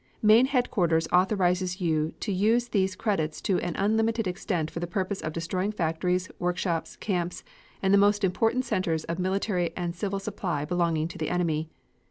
Main headquarters authorizes you to use these credits to an unlimited extent for the purpose of destroying factories, workshops, camps, and the most important centers of military and civil supply belonging to the enemy.